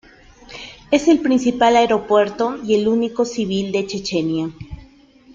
Es el principal aeropuerto, y el único civil, de Chechenia.